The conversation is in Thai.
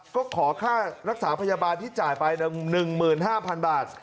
ก็ขอค่ารักษาพยาบาลที่จ่ายไป๑๕๐๐๐บาท